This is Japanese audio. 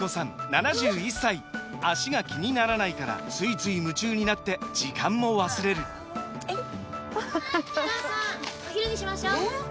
７１歳脚が気にならないからついつい夢中になって時間も忘れるお母さんお昼にしましょうえー